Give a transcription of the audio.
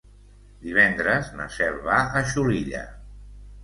Divendres na Cel va a Xulilla.